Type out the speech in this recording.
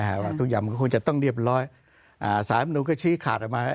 เรามันคงจะต้องเย็บร้อยอ่าสามารถหนูก็ชี้ขาดเอามา